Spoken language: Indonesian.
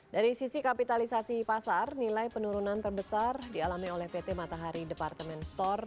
dari sisi kapitalisasi pasar nilai penurunan terbesar dialami oleh pt matahari departemen store